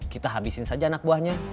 kita habisin saja anak buahnya